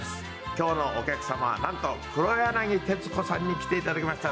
今日のお客様はなんと黒柳徹子さんに来て頂きました。